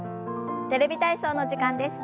「テレビ体操」の時間です。